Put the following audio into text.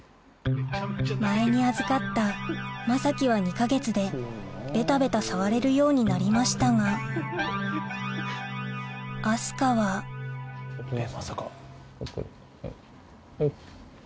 前に預かったまさきは２か月でベタベタ触れるようになりましたが明日香はほいおっ。